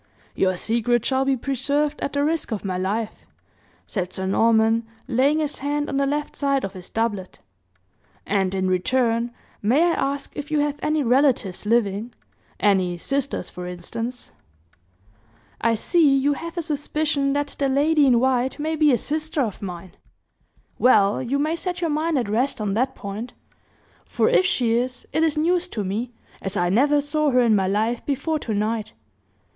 "Your secret shall be preserved at the risk of my life," said Sir Norman, laying his hand on the left side of his doublet; "and in return, may I ask if you have any relatives living any sisters for instance?" "I see! you have a suspicion that the lady in white may be a sister of mine. Well, you may set your mind at rest on that point for if she is, it is news to me, as I never saw her in my life before tonight.